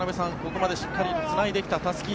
ここまでしっかりつないできたたすき